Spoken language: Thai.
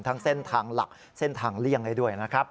ทั้งเส้นทางหลักเส้นทางเลี่ยงได้ด้วยนะครับ